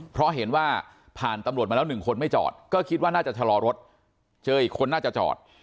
เพราะเห็นว่าผ่านตำรวจมาแล้วหนึ่งคนไม่จอดก็คิดว่าน่าจะชะลอรถเจออีกคนน่าจะจอด